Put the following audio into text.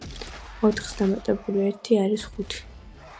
ოთხს დამატებული ერთი არის ხუთი.